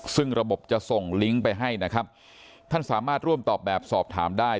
ซึ่งระบบจะส่งลิงก์ไปให้นะครับท่านสามารถร่วมตอบแบบสอบถามได้